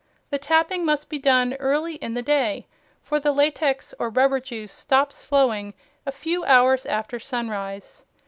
The tapping must be done early in the day, for the latex or rubber juice stops flowing a few hours after sunrise.